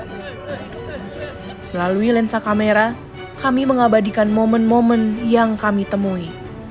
melalui lensa kamera kami mengabadikan momen momen yang kami temui